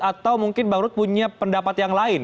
atau mungkin bang rut punya pendapat yang lain